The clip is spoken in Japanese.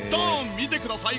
見てください